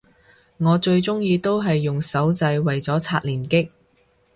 我最鍾意都係用手掣為咗刷連擊